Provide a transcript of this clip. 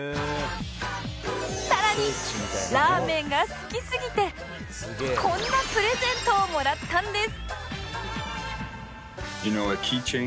さらにラーメンが好きすぎてこんなプレゼントをもらったんです